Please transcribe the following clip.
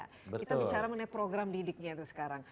kita bicara mengenai program didiknya itu sekarang